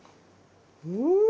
うん！